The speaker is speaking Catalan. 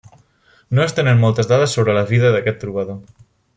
No es tenen moltes dades sobre la vida d'aquest trobador.